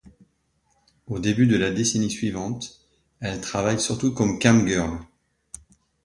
Au début de la décennie suivante, elle travaille surtout comme camgirl.